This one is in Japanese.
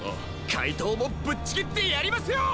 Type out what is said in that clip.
かいとうもぶっちぎってやりますよ！